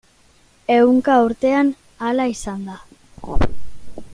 Ehunka urtean hala izan da.